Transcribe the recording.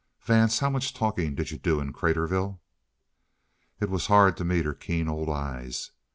"Vance, how much talking did you do in Craterville?" It was hard to meet her keen old eyes.